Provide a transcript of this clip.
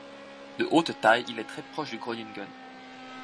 De haute taille, il est très proche du Groningen.